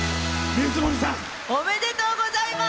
おめでとうございます！